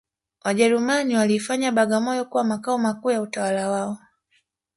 Wajerumani waliifanya bagamoyo kuwa makao makuu ya utawala wao